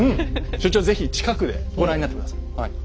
所長是非近くでご覧になって下さい。